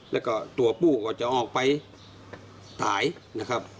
แล้วก็ตัวผู้ก็จะออกไปถ่ายนะครับ